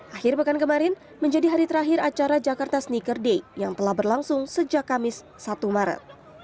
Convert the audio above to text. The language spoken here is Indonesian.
akhir pekan kemarin menjadi hari terakhir acara jakarta sneaker day yang telah berlangsung sejak kamis satu maret